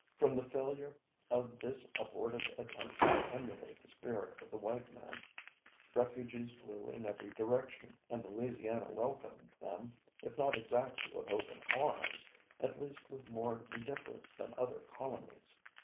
From the failure of this abortive attempt to emulate the spirit of the white man, refugees flew in every direction, and Louisiana welcomed them, if not exactly with open arms, at least with more indifference than other colonies.